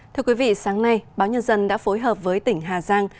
thưa quý vị sáng nay báo nhân dân đã phối hợp với tỉnh hà giang